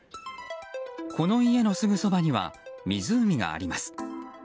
この家にすぐそばには湖があります。